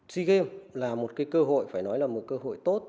sea games là một cơ hội phải nói là một cơ hội tốt